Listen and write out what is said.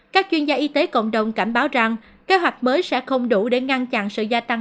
các chuyên gia y tế cộng đồng cảnh báo rằng kế hoạch mới sẽ không đủ để ngăn chặn sự gia tăng